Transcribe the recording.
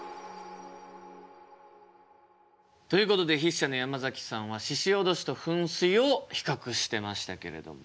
ということで筆者の山崎さんは鹿おどしと噴水を比較してましたけれども。